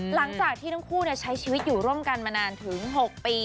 หลังจากที่ทั้งคู่ใช้ชีวิตอยู่ร่วมกันมานานถึง๖ปี